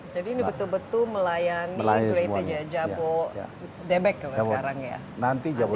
jadi ini betul betul melayani jabodebec sekarang ya